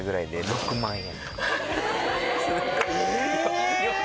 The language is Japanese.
６万円！